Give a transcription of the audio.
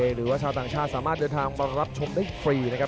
หรือว่าชาวต่างชาติสามารถเดินทางมารับชมได้ฟรีนะครับ